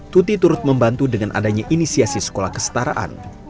tuti turut membantu dengan adanya inisiasi sekolah kestaraan